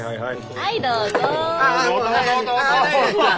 はいどうぞ！